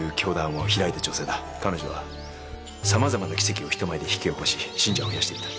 彼女は様々な奇跡を人前で引き起こし信者を増やしていった。